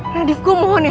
radit gue mohon ya